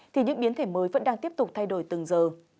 thì những biến thể mới vẫn đang tiếp tục thay đổi từng giờ